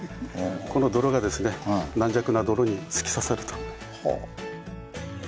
この泥が軟弱な泥に突き刺さると。